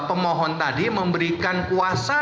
pemohon tadi memberikan kuasa